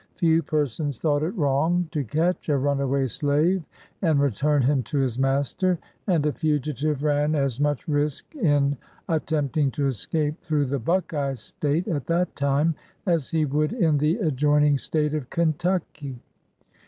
Few persons thought it wrong to catch a runa way slave and return him to his master, and a fugitive ran as much risk in attempting to escape through the Buckeye State, at that time, as he would in the adjoin ing State of Kentucky.